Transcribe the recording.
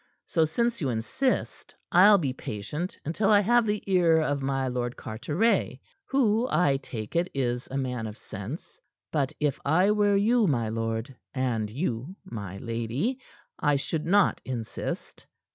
So since you insist, I'll be patient until I have the ear of my Lord Carteret who, I take it, is a man of sense. But if I were you, my lord, and you, my lady, I should not insist.